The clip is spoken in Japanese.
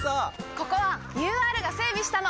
ここはＵＲが整備したの！